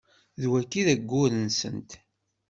D wagi i d ayyur-nsent.